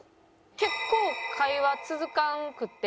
結構会話続かんくて。